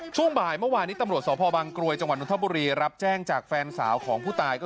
ช่วงบ่ายเมื่อวานนี้ตำรวจสพบางกรวยจังหวัดนทบุรีรับแจ้งจากแฟนสาวของผู้ตาย